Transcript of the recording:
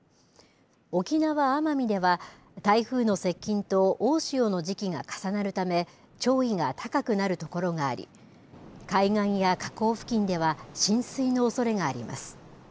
沖縄・奄美では、台風の接近と大潮の時期が重なるため、潮位が高くなる所があり、海岸や河口付近では、浸水のおそれがあります。